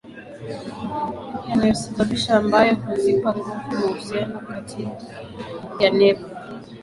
yanayosababisha ambayo huzipa nguvu mahusiano kati ya neva